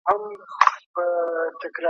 د جلات خان ناره زما پر خوله ده.